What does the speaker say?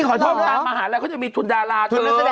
เพราะต้นแต่ทางมหาละเค้าจะมีทุนดาราเถอะ